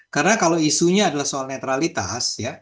karena kalau isunya adalah soal netralitas